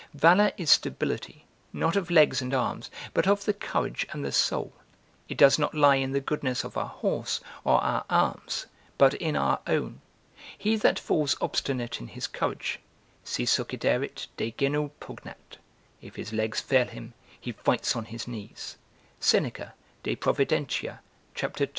Valour is stability, not of legs and arms, but of the courage and the soul; it does not lie in the goodness of our horse or our arms but in our own. He that falls obstinate in his courage "Si succiderit, de genu pugnat" ["If his legs fail him, he fights on his knees." Seneca, De Providentia, c. 2.